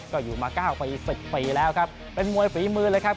ก็อยู่มา๙ปี๑๐ปีแล้วครับเป็นมวยฝีมือเลยครับ